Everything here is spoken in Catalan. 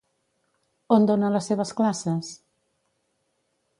On dona les seves classes?